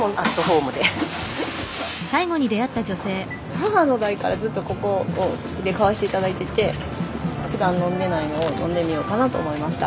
母の代からずっとここで買わして頂いててふだん飲んでないのを飲んでみようかなと思いました。